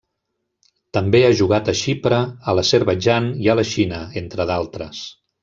També ha jugat a Xipre, a l'Azerbaidjan i a la Xina, entre d'altres.